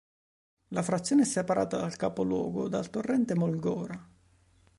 La frazione è separata dal capoluogo dal torrente Molgora.